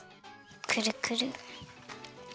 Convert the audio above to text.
くるくる。